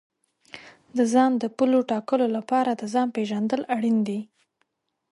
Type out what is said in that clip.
د ځان د پولو ټاکلو لپاره د ځان پېژندل اړین دي.